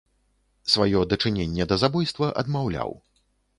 Сваё дачыненне да забойства адмаўляў.